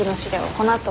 このあと。